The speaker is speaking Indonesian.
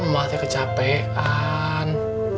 mbak teh kecapekan